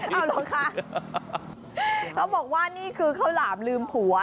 เอาเหรอคะเขาบอกว่านี่คือข้าวหลามลืมผัว